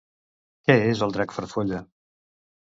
Què és el Drac Farfolla?